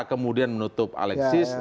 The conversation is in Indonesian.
kemudian menutup alexis